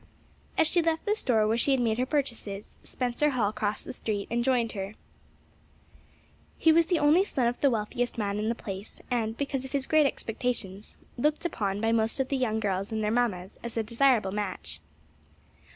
As she left the store where she had made her purchases, Spencer Hall crossed the street and joined her. He was the only son of the wealthiest man in the place and, because of his great expectations, looked upon by most of the young girls and their mammas as a desirable match.